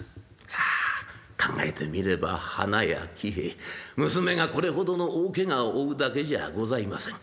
さあ考えてみれば花屋喜兵衛娘がこれほどの大けがを負うだけじゃございません。